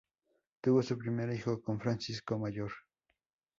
Tuvo su primer hijo con Francisco Mayor.